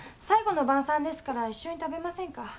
最後の晩餐ですから一緒に食べませんか？